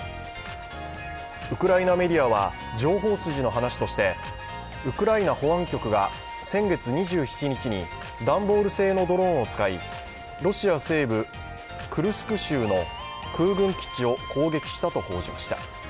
ウクライナメディアは情報筋の話としてウクライナ保安局が先月２７日に段ボール製のドローンを使い、ロシア西部クルスク州の空軍基地を攻撃したと報じました。